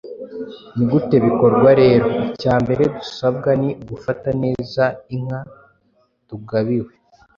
Ni gute bikorwa rero? Icya mbere dusabwa ni ugufata neza inka tugabiwe.